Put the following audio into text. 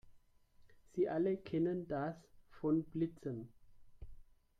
Sie alle kennen das von Blitzen.